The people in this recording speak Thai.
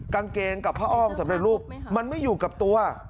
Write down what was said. กางเกงกับผ้าอ้อมสำเร็จรูปมันไม่อยู่กับตัว